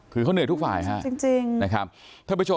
คือเขาเหนื่อยทุกฝ่ายนะครับ